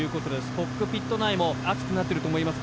コックピット内も暑くなってると思います。